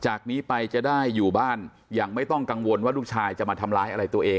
จากนี้ไปจะได้อยู่บ้านอย่างไม่ต้องกังวลว่าลูกชายจะมาทำร้ายอะไรตัวเอง